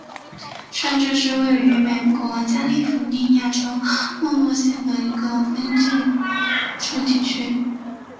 上镇是位于美国加利福尼亚州莫诺县的一个非建制地区。